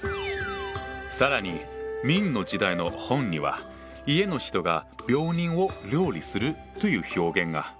更に明の時代の本には「家の人が病人を料理する」という表現が。